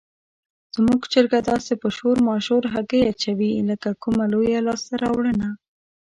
زموږ چرګه داسې په شور ماشور هګۍ اچوي لکه کومه لویه لاسته راوړنه.